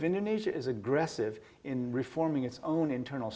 tidak kira berapa kekurangan mereka